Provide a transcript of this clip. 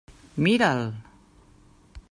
Mira'l.